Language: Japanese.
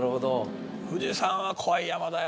富士山は怖い山だよ。